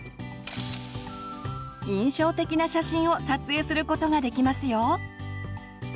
印象的な写真を撮影することができますよ！